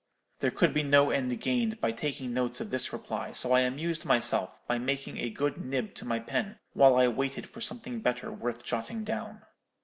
"There could be no end gained by taking notes of this reply, so I amused myself by making a good nib to my pen while I waited for something better worth jotting down.